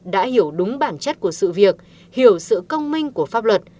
đã hiểu đúng bản chất của sự việc hiểu sự công minh của pháp luật